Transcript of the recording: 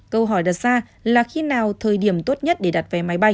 câu hỏi đặt ra là khi nào thời điểm tốt nhất để đặt vé máy bay